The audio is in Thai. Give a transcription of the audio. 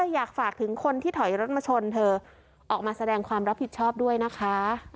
อยากฝากถึงคนที่ถอยรถมาชนเธอออกมาแสดงความรับผิดชอบด้วยนะคะ